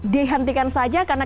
dihentikan saja karena